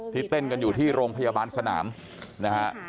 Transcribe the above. เต้นกันอยู่ที่โรงพยาบาลสนามนะฮะ